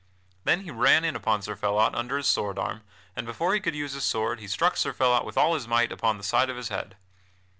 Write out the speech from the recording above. Then he ran in upon Sir Phelot under his sword arm, and before he could use his sword he struck Sir Phelot with all his might upon the side of his head.